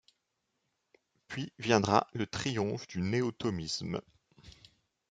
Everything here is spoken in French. Puis viendra le triomphe du néo-thomisme.